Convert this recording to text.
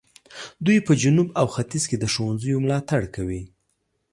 دوی په جنوب او ختیځ کې د ښوونځیو ملاتړ کوي.